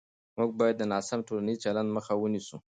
موږ باید د ناسم ټولنیز چلند مخه ونیسو.